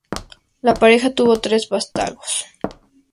La pareja tuvo tres vástagos.